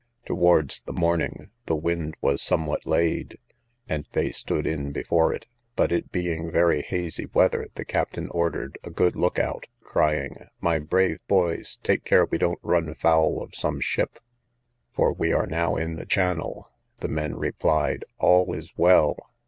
Towards the morning, the wind was somewhat laid, and they stood in before it; but it being very hazy weather, the captain ordered a good look out, crying, my brave boys, take care we don't run foul of some ship, for we are now in the channel. The men replied, all is well.